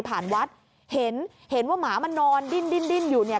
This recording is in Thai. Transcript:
ผ่านวัดเห็นว่ามันมันมีบิ้นอยู่เนี่ย